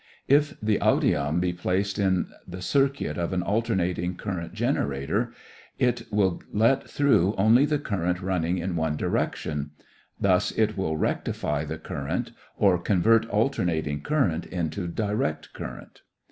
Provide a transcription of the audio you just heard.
If the audion be placed in the circuit of an alternating current generator, it will let through only the current running in one direction. Thus it will "rectify" the current or convert alternating current into direct current.